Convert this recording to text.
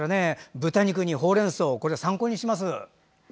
豚肉に、ほうれん草参考にします。